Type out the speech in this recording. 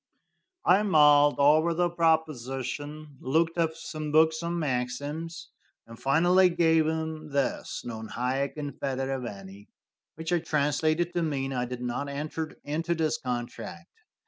I mulled over the proposition, looked up some books on maxims, and finally gave him this, "Non haec in federe veni," which I translated to mean, "I did not enter into this contract."